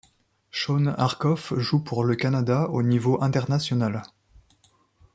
Shawn Horcoff joue pour le Canada au niveau international.